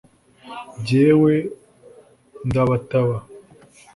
jyewe ndabataba